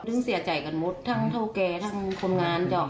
เสียใจกันหมดทั้งเท่าแก่ทั้งคนงานจ้ะ